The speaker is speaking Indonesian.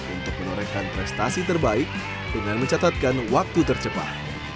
untuk menorehkan prestasi terbaik dengan mencatatkan waktu tercepat